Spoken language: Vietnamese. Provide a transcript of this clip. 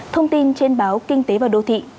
thông tin trên báo kinh tế và đô thị